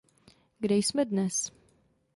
Kde jsme dnes?